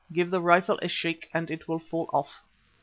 Give the rifle a shake and it will fall off."